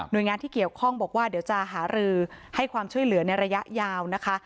โดยงานที่เกี่ยวข้องบอกว่าเดี๋ยวจะหารือให้ความช่วยเหลือในระยะยาวนะคะ